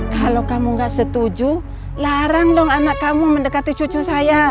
kalau kamu gak setuju larang dong anak kamu mendekati cucu saya